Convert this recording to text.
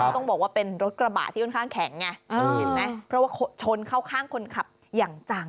ต้องบอกว่าเป็นรถกระบะที่ค่อนข้างแข็งไงเห็นไหมเพราะว่าชนเข้าข้างคนขับอย่างจัง